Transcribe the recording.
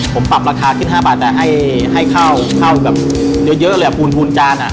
ผมปรับราคาขึ้น๕บาทแต่ให้ข้าวเยอะเหลือปูนจาน